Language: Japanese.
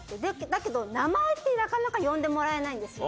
だけど、名前って、なかなか呼んでもらいないんです。